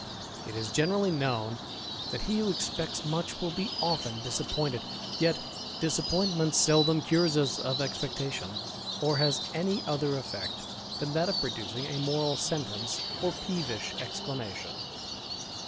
It is generally m, that he who expects much will be often disap :ed; yet disappointment seldom cures us of expectation, as any other eflfect than that of producing a moral nee or peevish exclamation.